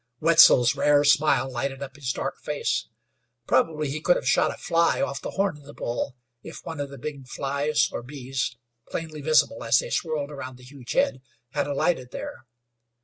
Wetzel's rare smile lighted up his dark face. Probably he could have shot a fly off the horn of the bull, if one of the big flies or bees, plainly visible as they swirled around the huge head, had alighted there.